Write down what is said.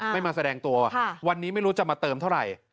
ไม่มาแสดงตัววันนี้ไม่รู้จะมาเติมเท่าไหร่